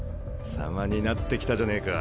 様になってきたじゃねえか。